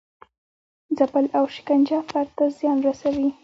ځپل او شکنجه فرد ته زیان رسوي.